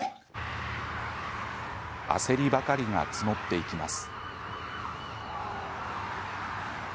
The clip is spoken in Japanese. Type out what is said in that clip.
焦りばかりが募っていきます。